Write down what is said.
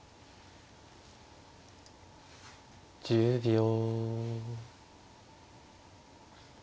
１０秒。